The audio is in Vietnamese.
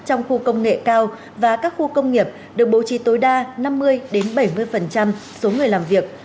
trong khu công nghệ cao và các khu công nghiệp được bố trí tối đa năm mươi bảy mươi số người làm việc